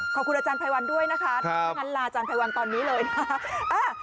ขอบคุณอาจารย์ไพรวัลด้วยนะคะท่านลาอาจารย์ไพรวัลตอนนี้เลยนะฮะ